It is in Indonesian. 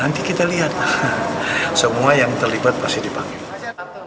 nanti kita lihat semua yang terlibat pasti dipanggil